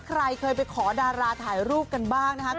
ใครเคยไปขอดาราถ่ายรูปกันบ้างนะครับ